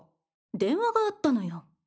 電話があったのよ。